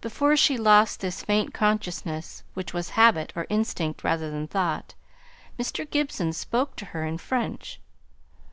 Before she lost this faint consciousness, which was habit or instinct rather than thought, Mr. Gibson spoke to her in French.